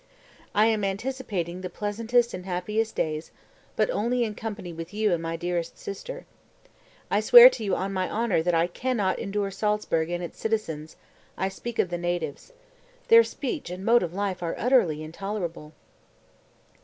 I am anticipating the pleasantest and happiest days, but only in company with you and my dearest sister. I swear to you on my honor that I can not endure Salzburg and its citizens (I speak of the natives). Their speech and mode of life are utterly intolerable."